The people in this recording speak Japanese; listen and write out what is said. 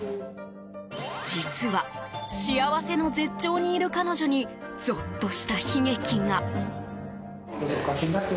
実は、幸せの絶頂にいる彼女にぞっとした悲劇が。